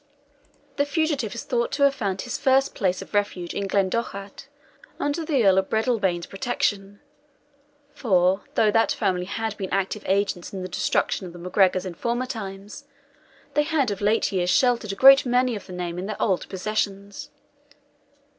The fugitive is thought to have found his first place of refuge in Glen Dochart, under the Earl of Breadalbane's protection; for, though that family had been active agents in the destruction of the MacGregors in former times, they had of late years sheltered a great many of the name in their old possessions.